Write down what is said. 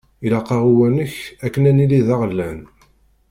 Ilaq-aɣ Uwanek akken ad nili d aɣlan.